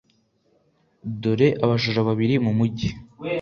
dore abajura babiri mu mujyi